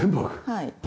はい。